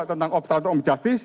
tentang obstetraum jahatis